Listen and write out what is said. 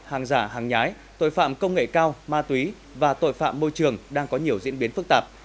hàng giả hàng nhái tội phạm công nghệ cao ma túy và tội phạm môi trường đang có nhiều diễn biến phức tạp